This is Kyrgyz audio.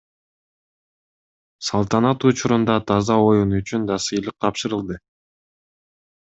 Салтанат учурунда таза оюн үчүн да сыйлык тапшырылды.